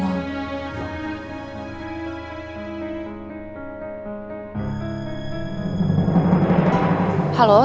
oh askara belum